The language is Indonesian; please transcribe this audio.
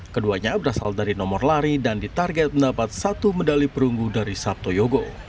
keduanya berasal dari nomor lari dan ditarget mendapat satu medali perunggu dari sabto yogo